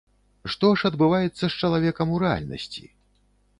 Што ж адбываецца з чалавекам у рэальнасці?